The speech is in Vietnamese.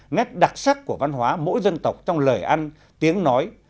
nét đặc sắc của văn hóa mỗi dân tộc trong lời ăn tiếng nói